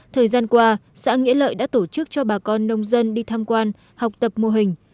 thời gian qua xã nghĩa lợi đã tổ chức cho bà con nông dân đi tham quan học tập mô hình